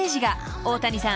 ［大谷さん。